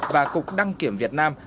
và cục đăng kiểm việt nam